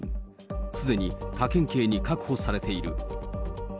すでに他県警に確保されている。